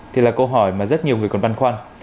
thì là câu hỏi mà rất nhiều người còn văn khoan